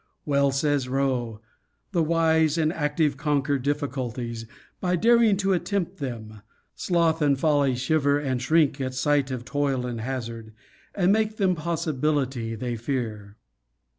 Well says Rowe: The wise and active conquer difficulties, By daring to attempt them. Sloth and folly Shiver and shrink at sight of toil and hazard, And make th' impossibility they fear.